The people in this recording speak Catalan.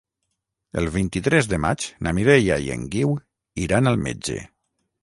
El vint-i-tres de maig na Mireia i en Guiu iran al metge.